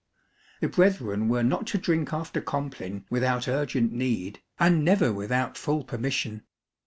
The brethren were not to drink after Compline without urgent need, and never without full permission.